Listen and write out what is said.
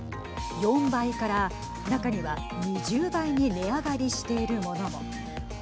４倍から、中には２０倍に値上がりしているものも。